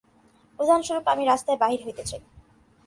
উদাহরণস্বরূপ আমি রাস্তায় বাহির হইতে চাই।